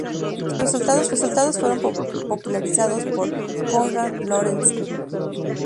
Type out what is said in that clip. Sus resultados fueron popularizados por Konrad Lorenz, su alumno.